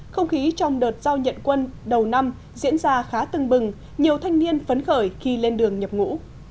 không khí trong đợt giao nhận quân đầu năm diễn ra khá tưng bừng nhiều thanh niên phấn khởi khi lên đường nhập ngũ